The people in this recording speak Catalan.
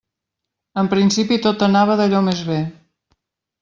En principi tot anava d'allò més bé.